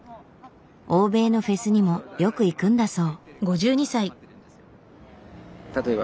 欧米のフェスにもよく行くんだそう。